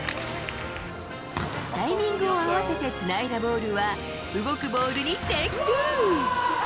タイミングを合わせてつないだボールは動くボールに的中。